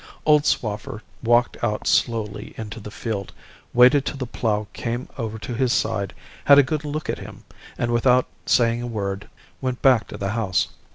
Old Swaffer walked out slowly into the field, waited till the plough came over to his side, had a good look at him, and without saying a word went back to the house.